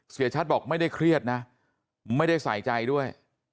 เสียชัดบอกไม่ได้เครียดนะไม่ได้ใส่ใจด้วย